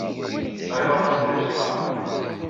Tesɛa iḍaṛṛen-is d ibesṭaḥ.